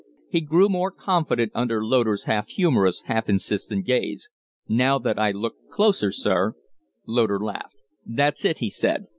He grew more confident under Loder's half humorous, half insistent gaze. "Now that I look closer, sir " Loder laughed. "That's it!" he said.